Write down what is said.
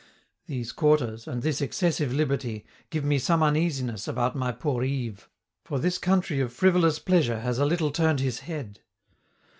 These quarters, and this excessive liberty, give me some uneasiness about my poor Yves; for this country of frivolous pleasure has a little turned his head.